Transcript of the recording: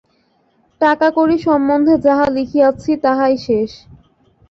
টাকাকড়ি সম্বন্ধে যাহা লিখিয়াছি, তাহাই শেষ।